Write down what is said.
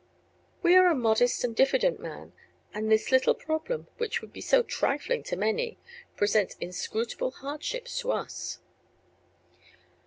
We are a modest and diffident man, and this little problem, which would be so trifling to many, presents inscrutable hardships to us.